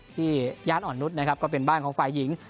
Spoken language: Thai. ย่านอ่อนนุษย์นะครับก็เป็นบ้านของฝ่ายหญิง